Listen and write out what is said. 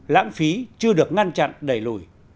lãng phí chưa được ngăn chặn đẩy lùi